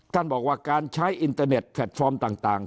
ท่านบอกว่าการใช้อินเตอร์เน็ตแพลตฟอร์มต่าง